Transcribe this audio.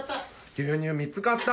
牛乳３つ買った。